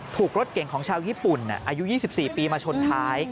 ถูกรถเก่งของชาวญี่ปุ่นอายุ๒๔ปีมาชนท้าย